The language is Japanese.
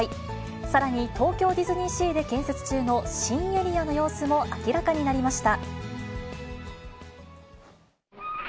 さらに東京ディズニーシーで建設中の新エリアの様子も明らかになりました。